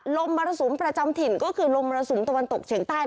มรสุมประจำถิ่นก็คือลมมรสุมตะวันตกเฉียงใต้